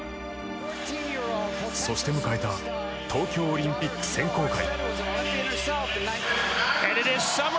そして迎えた東京オリンピック選考会。